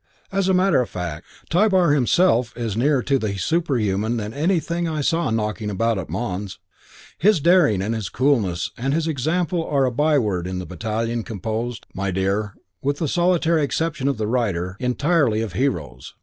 As a matter of fact, Tybar himself is nearer to the superhuman than anything I saw knocking about at Mons. His daring and his coolness and his example are a byword in a battalion composed, my dear, with the solitary exception of the writer, entirely of heroes.